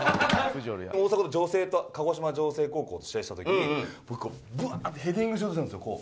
大迫の城西と鹿児島城西高校と試合した時に僕はブワーッてヘディングしようとしたんですよ